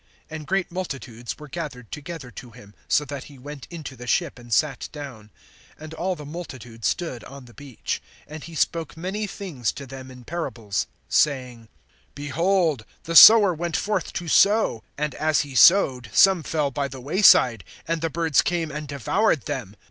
(2)And great multitudes were gathered together to him, so that he went into the ship and sat down; and all the multitude stood on the beach. (3)And he spoke many things to them in parables, saying: (4)Behold, the sower went forth to sow. And as he sowed, some fell by the way side, and the birds came and devoured them.